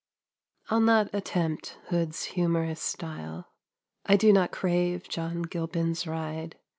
I'll not attempt Hood's humorous style, I do not crave John Gilpin's ride.